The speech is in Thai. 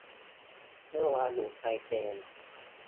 เมื่อวานอยู่ไทเป